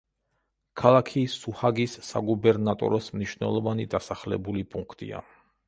ქალაქი სუჰაგის საგუბერნატოროს მნიშვნელოვანი დასახლებული პუნქტია.